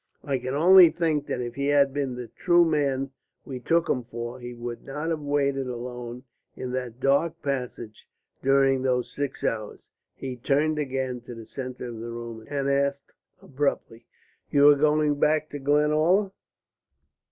I can only think that if he had been the true man we took him for, you would not have waited alone in that dark passage during those six hours." He turned again to the centre of the room and asked abruptly: "You are going back to Glenalla?"